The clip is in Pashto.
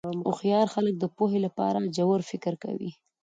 هوښیار خلک د پوهې لپاره ژور فکر کوي.